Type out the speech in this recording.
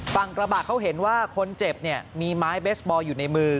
ฝั่งกระบะเขาเห็นว่าคนเจ็บเนี่ยมีไม้เบสบอลอยู่ในมือ